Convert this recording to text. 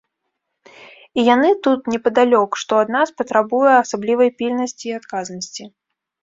І яны тут, непадалёк, што ад нас патрабуе асаблівай пільнасці і адказнасці.